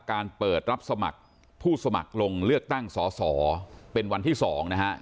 การเปิดรับสมัครผู้สมัครลงเลือกตั้งสอสอเป็นวันที่๒นะฮะ